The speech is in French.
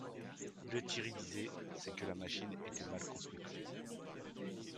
Lethierry disait: C’est que la machine était mal construite.